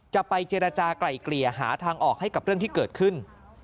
จะไปเจรจากลายเกลี่ยหาทางออกให้กับเรื่องที่เกิดขึ้น